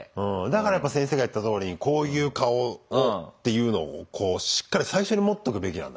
だからやっぱ先生が言ったとおりこういう顔をっていうのをこうしっかり最初に持っとくべきなんだろうね。